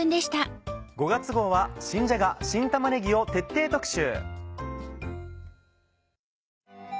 ５月号は「新じゃが・新玉ねぎ」を徹底特集。